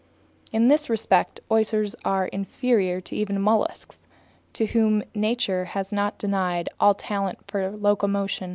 In this respect oysters are inferior even to mussels, to whom nature has not denied all talent for locomotion.